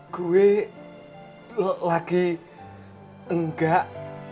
gue lagi enggak